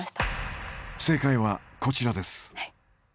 正解はこちらです。